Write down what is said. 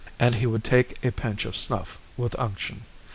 And he would take a pinch of snuff with unction.